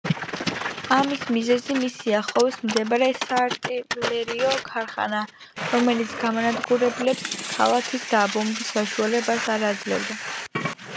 ამის მიზეზი მის სიახლოვეს მდებარე საარტილერიო ქარხანაა, რომელიც გამანადგურებლებს ქალაქის დაბომბვის საშუალებას არ აძლევდა.